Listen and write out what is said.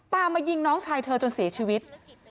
มายิงน้องชายเธอจนเสียชีวิต